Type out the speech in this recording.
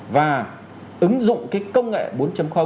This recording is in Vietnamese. và ứng dụng cái công nghệ bốn